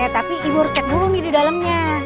tapi ibu harus cek dulu nih di dalamnya